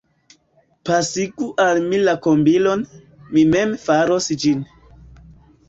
Pasigu al mi la kombilon, mi mem faros ĝin.